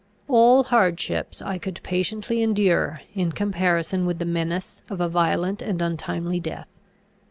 All hardships I could patiently endure, in comparison with the menace of a violent and untimely death.